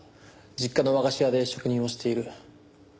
実家の和菓子屋で職人をしている。